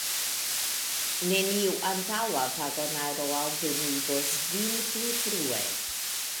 Neniu antaŭa vagonaro alvenigus vin pli frue.